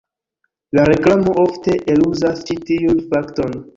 La reklamo ofte eluzas ĉi tiun fakton.